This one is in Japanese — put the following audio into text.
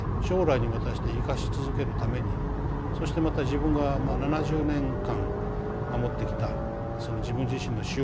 将来に渡して生かし続けるためにそしてまた自分が７０年間守ってきたその自分自身の習慣